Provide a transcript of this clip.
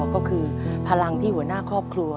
ก็คือพลังที่หัวหน้าครอบครัว